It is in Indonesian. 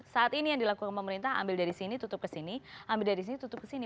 saat ini yang dilakukan pemerintah ambil dari sini tutup ke sini ambil dari sini tutup ke sini